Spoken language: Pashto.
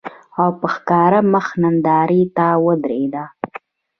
او په ښکاره مخ نندارې ته ودرېده